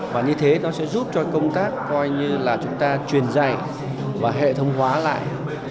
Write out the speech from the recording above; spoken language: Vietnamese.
và như thế nó sẽ giúp cho công tác coi như là chúng ta truyền dạy và hệ thống hóa lại